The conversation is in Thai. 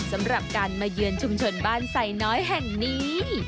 สำหรับการมาเยือนชุมชนบ้านไซน้อยแห่งนี้